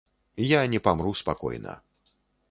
Я не памру спакойна.